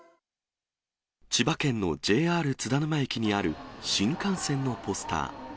千葉県のＪＲ津田沼駅にある新幹線のポスター。